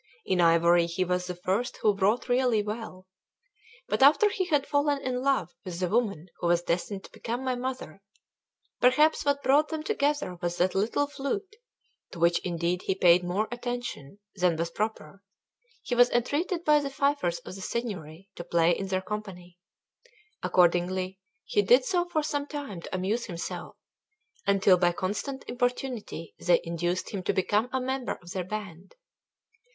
In ivory he was the first who wrought really well. But after he had fallen in love with the woman who was destined to become my mother perhaps what brought them together was that little flute, to which indeed he paid more attention than was proper he was entreated by the fifers of the Signory to play in their company. Accordingly he did so for some time to amuse himself, until by constant importunity they induced him to become a member of their band.